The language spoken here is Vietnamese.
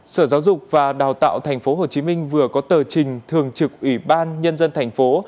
sở giáo dục và đào tạo thành phố hồ chí minh vừa có tờ trình thường trực ủy ban nhân dân thành phố